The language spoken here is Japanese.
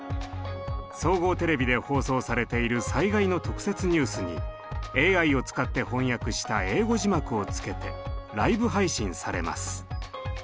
総合テレビで放送されている災害の特設ニュースにＡＩを使って翻訳した英語字幕をつけてライブ配信されます。